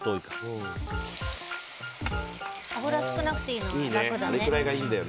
油、少なくていいのは楽だね。